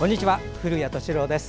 古谷敏郎です。